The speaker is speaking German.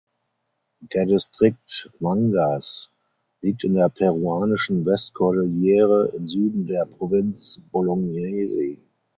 Der Distrikt Mangas liegt in der peruanischen Westkordillere im Süden der Provinz Bolognesi.